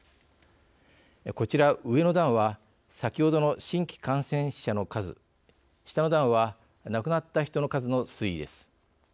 こちら、上の段は先ほどの新規感染者の数下の段は亡くなった人の数の推移です。